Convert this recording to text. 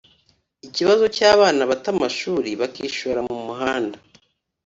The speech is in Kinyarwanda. Ikibazo cy’abana bata amashuri bakishora mu muhanda